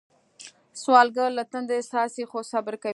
سوالګر له تندي څاڅي خو صبر کوي